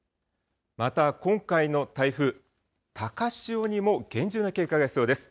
また今回の台風、高潮にも厳重な警戒が必要です。